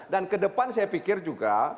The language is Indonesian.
dan ke depan saya pikir juga